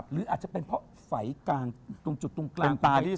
หรืออาจจะเป็นเพราะไฝกลางตรงจุดตรงกลางตา